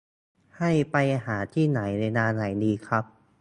ให้ไปหาที่ไหนเวลาไหนดีครับ